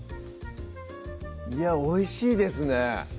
いやおいしいですね